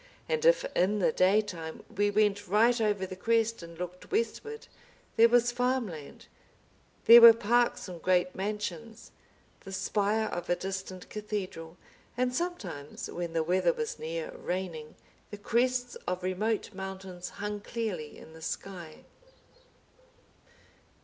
And if in the daytime we went right over the crest and looked westward there was farmland, there were parks and great mansions, the spire of a distant cathedral, and sometimes when the weather was near raining, the crests of remote mountains hung clearly in the sky.